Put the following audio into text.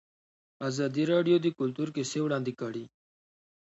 ازادي راډیو د کلتور کیسې وړاندې کړي.